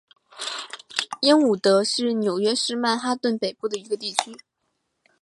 英伍德是纽约市曼哈顿北部的一个地区。